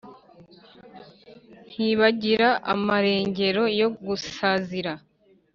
ntibagira amarengero yo gusazira